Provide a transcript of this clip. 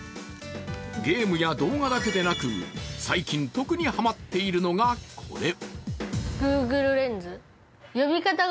ゲームや動画だけでなく最近特にハマっているのがこれ。